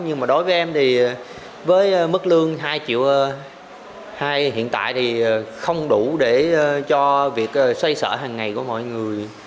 hiện tại thì không đủ để cho việc xoay sở hàng ngày của mọi người